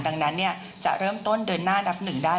ดังนั้นจะเริ่มต้นเดินหน้านับหนึ่งได้